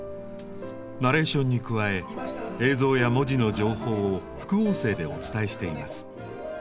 ナレーションに加え映像や文字の情報を副音声でお伝えしています。